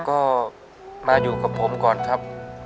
ก็มาอยู่กับผมก่อนครับ